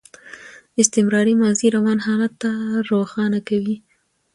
استمراري ماضي روان حالت روښانه کوي.